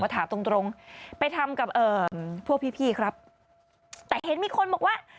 ถามตรงไปทำกับพวกพี่ครับแต่เห็นมีคนบอกว่า